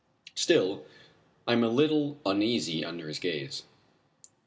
Still I am a little uneasy under his gaze.